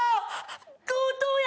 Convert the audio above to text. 強盗や！